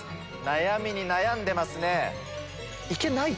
悩みに悩んでますね。